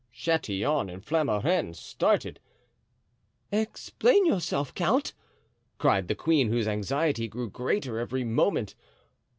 Chatillon and Flamarens started. "Explain yourself, count!" cried the queen, whose anxiety grew greater every moment.